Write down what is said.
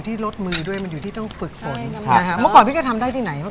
ใครอัดวิชาให้ใครบ้างหรอแบบเนี้ย